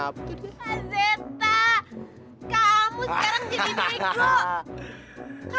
kamu sekarang jadi bego